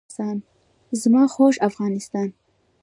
زما خوږ افغانستان.